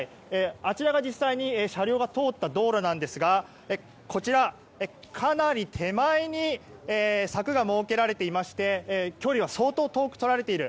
あちらが実際に車両が通った道路なんですがかなり手前に柵が設けられていまして距離は相当、遠くとられている。